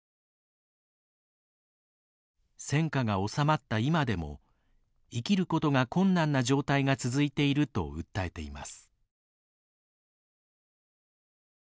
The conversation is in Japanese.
戦火がおさまった今でも生きることが困難な状態が続いていると訴えています。